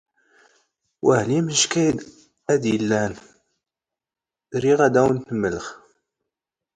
ⵡⴰⵀⵍⵉ ⵎⵏⵛⴽ ⴰⴷ ⵉⵍⵍⴰⵏ ⵔⵉⵖ ⴰⴷ ⴰⵡⵏ ⵜ ⵎⵍⵖ.